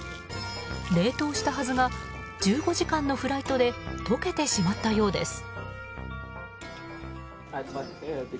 冷凍したはずが１５時間のフライトで溶けてしまったようです。